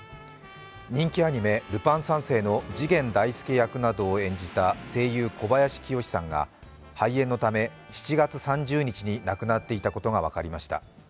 人気アニメ「ルパン三世」の次元大介役などを演じた声優・小林清志さんが肺炎のため、７月３０日に亡くなっていたことが分かりました。